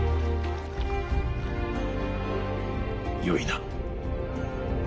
よいな。